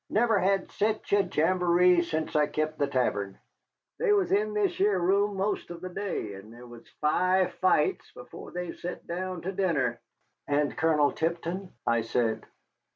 Never had sech a jamboree sence I kept the tavern. They was in this here room most of the day, and they was five fights before they set down to dinner." "And Colonel Tipton?" I said.